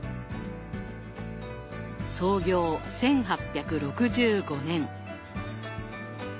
創業１８６５年。